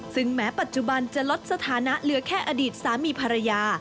ซึ่งแม้ปัจจุบันจะลดสถานะเหลือแค่อดีตสามีภรรยา